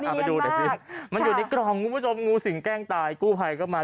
มีเยี่ยมมากมันอยู่ในกล่องมีผู้ชมงูสิงแกล้งตายกู้ภัยเข้ามา